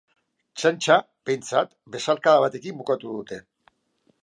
Txantxa, behintzat, besarkada batekin bukatu dute.